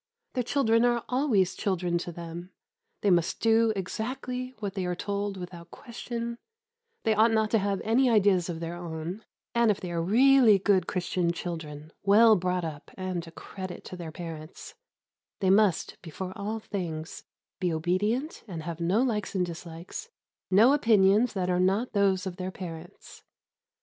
Their children are always children to them; they must do exactly what they are told without question; they ought not to have any ideas of their own, and, if they are really good Christian children, well brought up and a credit to their parents, they must, before all things, be obedient and have no likes and dislikes, no opinions that are not those of their parents.